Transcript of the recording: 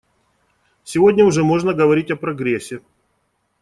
Сегодня уже можно говорить о прогрессе.